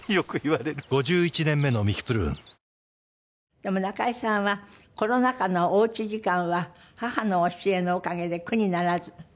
でも中井さんはコロナ禍のおうち時間は母の教えのおかげで苦にならず。